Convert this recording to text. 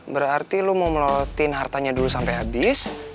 berarti lo mau melolotin hartanya dulu sampai habis